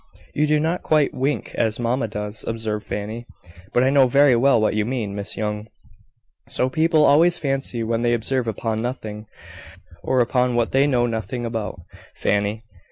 "You do not quite wink as mamma does," observed Fanny, "but I know very well what you mean, Miss Young." "So people always fancy when they observe upon nothing, or upon what they know nothing about, Fanny.